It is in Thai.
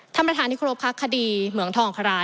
ท่านประธานิคโรพคลักษณ์คดีเหมืองทองคลา